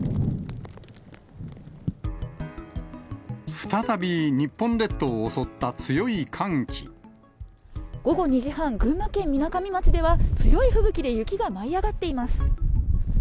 再び日本列島を襲った強い寒午後２時半、群馬県みなかみ町では、強い吹雪で、雪が舞い上がっています。